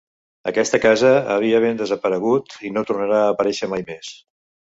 Aquesta casa havia ben desaparegut i no tornarà a aparèixer mai més.